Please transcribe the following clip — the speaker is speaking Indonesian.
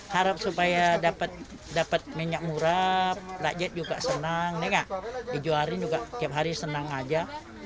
harap supaya dapat minyak murah rakyat juga senang nengah dijualin juga tiap hari senang aja